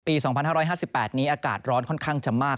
ปี๒๕๕๘นี้อากาศร้อนค่อนข้างจะมาก